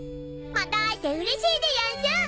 また会えてうれしいでやんす！